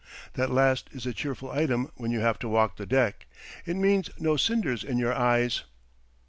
That last is a cheerful item when you have to walk the deck it means no cinders in your eyes.